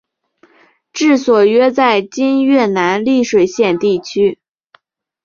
治所约在今越南丽水县地区。